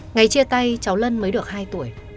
ngày chia tay cháu lân mới được hai tuổi